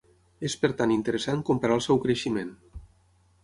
És per tant interessant comparar el seu creixement.